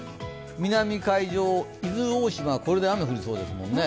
南海上、伊豆大島、これで雨、降りそうですもんね。